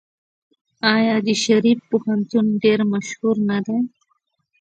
آیا د شریف پوهنتون ډیر مشهور نه دی؟